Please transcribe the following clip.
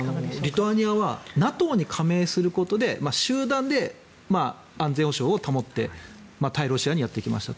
リトアニアはＮＡＴＯに加盟することで集団で安全保障を保って対ロシアにやってきました。